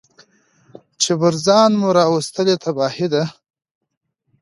چي پر ځان مو راوستلې تباهي ده